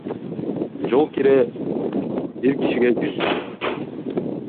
Жол кире бир кишиге жүз сом.